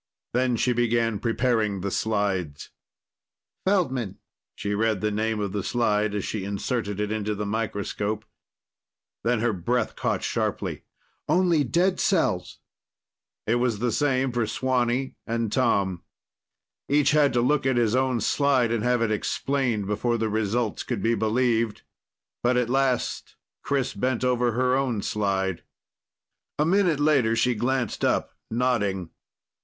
Then she began preparing the slides. "Feldman," she read the name of the slide as she inserted it into the microscope. Then her breath caught sharply. "Only dead cells!" It was the same for Swanee and Tom. Each had to look at his own slide and have it explained before the results could be believed. But at last Chris bent over her own slide. A minute later she glanced up, nodding.